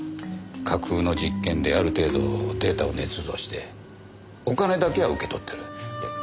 架空の実験である程度データを捏造してお金だけは受け取ってる。